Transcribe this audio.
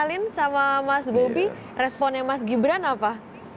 ketika dikenalin sama mas bobby responnya mas gibran apa